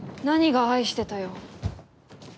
何が「愛してた」よ。